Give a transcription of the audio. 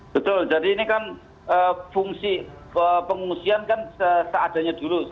betul jadi ini kan fungsi pengungsian kan seadanya dulu